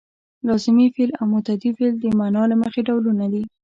لازمي فعل او متعدي فعل د معنا له مخې ډولونه دي.